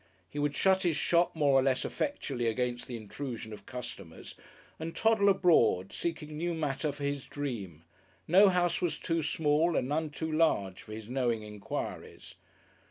He would shut his shop more or less effectually against the intrusion of customers, and toddle abroad seeking new matter for his dream; no house was too small and none too large for his knowing enquiries.